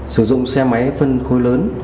sử dụng xe máy phân khôi lớn